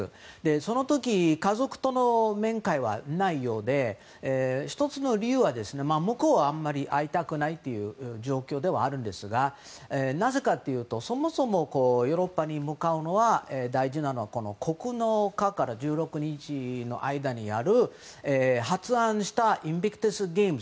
その時家族との面会はないようで１つの理由は向こうはあまり会いたくないという状況ではあるんですがなぜかというとそもそもヨーロッパに向かうのは大事なのは９日から１６日の間にあるインビクタスゲーム。